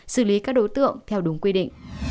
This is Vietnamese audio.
xử lý các đối tượng theo đúng quy định